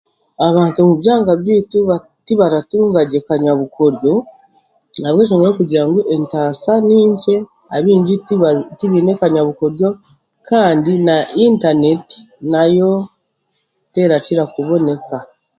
Abantu omu byanga byeitu aba tibaratunga gye kanyabukodyo ahabw'enshonga y'okugira ngu entaasa ninkye abaingi tiba tibaine kanyabukodyo kandi na intaneeti nayo terakira kuboneka.